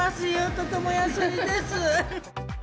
とても安いです。